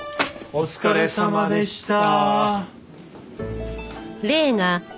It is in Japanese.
お疲れさまでした。